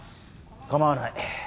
構わない。